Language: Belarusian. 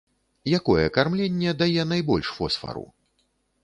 Якое кармленне дае найбольш фосфару?